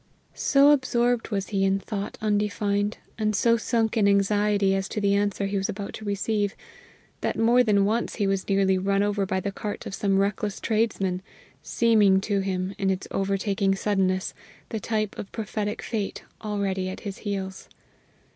So absorbed was he in thought undefined, and so sunk in anxiety as to the answer he was about to receive, that more than once he was nearly run over by the cart of some reckless tradesman seeming to him, in its over taking suddenness, the type of prophetic fate already at his heels.